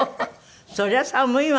そりゃ寒いわね。